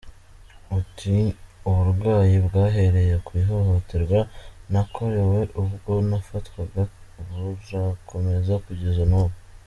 Ati " Uburwayi bwahereye ku ihohoterwa nakorewe ubwo nafatwaga burakomeza kugeza n’ubu.